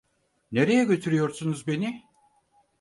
Nereye götürüyorsunuz beni?